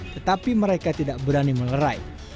tetapi mereka tidak berani melerai